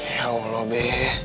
ya allah be